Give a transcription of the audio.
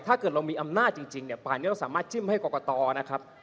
ถ้าเกิดเรามีอำนาจจริงเนี่ยป่านนี้เราสามารถจิ้มให้กรกตนะครับ